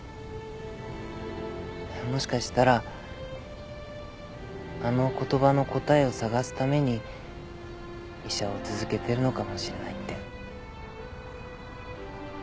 もしかしたらあの言葉の答えを探すために医者を続けてるのかもしれないって。